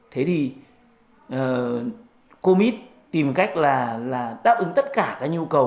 thế thì covid tìm cách là đáp ứng tất cả các nhu cầu